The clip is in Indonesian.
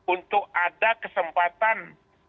untuk ada kesempatan